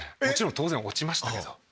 もちろん当然落ちましたけど。